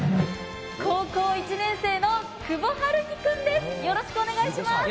高校１年生の久保陽貴君です。